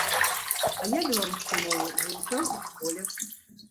А я беларускую мову вывучаў у школе.